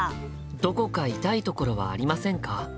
「どこか痛いところはありませんか？」。